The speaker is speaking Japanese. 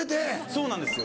そうなんですよ。